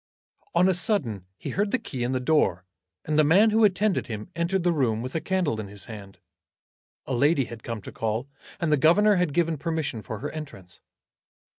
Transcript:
On a sudden he heard the key in the door, and the man who attended him entered the room with a candle in his hand. A lady had come to call, and the governor had given permission for her entrance.